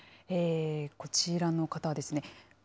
こちらの方ですね。